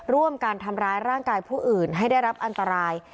ร่วมกันทำร้ายร่างกายผู้อื่นให้ได้รับอันตราย